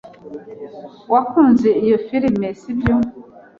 Wakunze iyo firime, sibyo?